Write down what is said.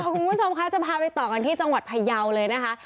คุณผู้ชมคะจะพาไปต่อกันที่จังหวัดพยาวเลยนะคะ